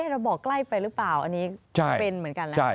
เราบอกใกล้ไปหรือเปล่าอันนี้เป็นเหมือนกันแล้ว